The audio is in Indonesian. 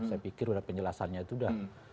saya pikir penjelasannya itu sudah